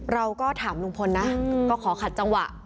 เราก็ถามลุงพลนะก็ขอขัดจังหวะ